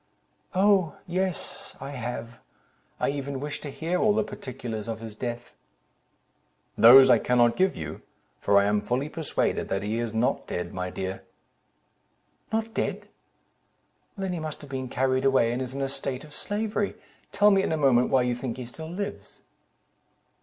"Oh! yes, I have; I even wish to hear all the particulars of his death." "Those I cannot give you, for I am fully persuaded that he is not dead, my dear." "Not dead! then he must have been carried away, and is in a state of slavery. Tell me in a moment why you think he still lives?"